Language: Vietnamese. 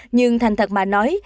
nhưng thành thật mà nói